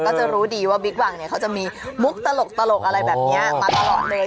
ก็จะรู้ดีว่าบิ๊กวังเนี่ยเขาจะมีมุกตลกอะไรแบบนี้มาตลอดเลย